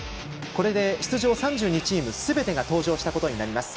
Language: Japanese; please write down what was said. これで出場３２チームすべてが登場したことになります。